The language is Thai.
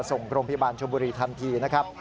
ส่งโรงพยาบาลชมบุรีทันทีนะครับ